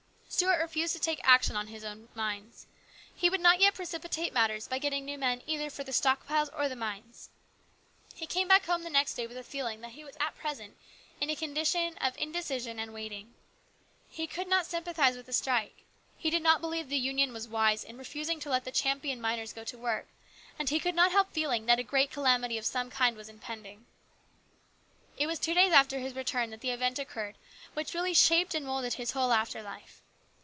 Stuart refused to take action on his own mines. He would not yet precipitate matters by getting new men either for the stock piles or the mines. He came back home the next day with the feeling that he was at present in a condition of indecision and waiting. He could not sympathise with the strike ; he did not believe the Union was wise in refusing to let the Champion miners go to work, and he could not help feeling that a great calamity of some kind was impending. It was two days after his return that the event occurred which really shaped and moulded his whole after life.